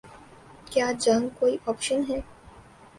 کیا جنگ کوئی آپشن ہے؟